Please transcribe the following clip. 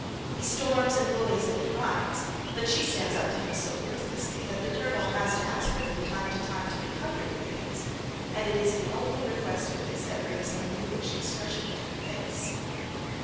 He storms and bullies and derides; but she stands up to him so ruthlessly that the Colonel has to ask her from time to time to be kinder to Higgins; and it is the only request of his that brings a mulish expression into her face.